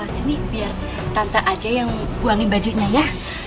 sini biar tante aja yang buangin bajunya ya